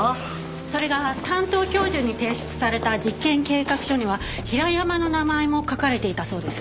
それが担当教授に提出された実験計画書には平山の名前も書かれていたそうです。